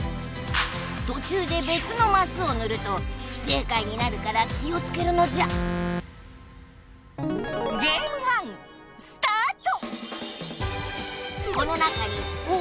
とちゅうでべつのマスをぬると不正解になるから気をつけるのじゃスタート！